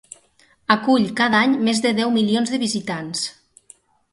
Acull cada any més de deu milions de visitants.